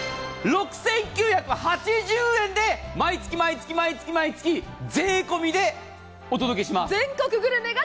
６９８０円で毎月毎月、税込みでお届けします！